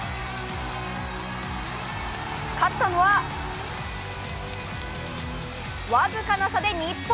勝ったのは、僅かな差で日本！